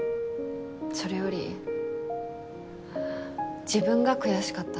それより自分が悔しかったの。